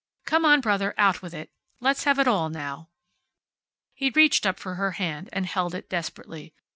"Come on, brother. Out with it. Let's have it all now." He reached up for her hand and held it, desperately.